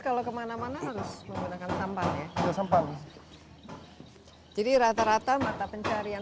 kalau kemana mana harus menggunakan sampah ya sampah jadi rata rata mata pencerahan